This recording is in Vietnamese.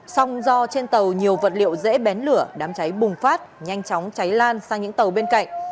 song do trên tàu nhiều vật liệu dễ bén lửa đám cháy bùng phát nhanh chóng cháy lan sang những tàu bên cạnh